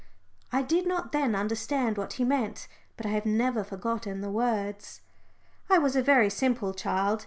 I did not then understand what he meant, but I have never forgotten the words. I was a very simple child.